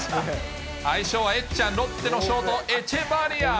愛称はエッちゃん、ロッテのショート、エチェバリア。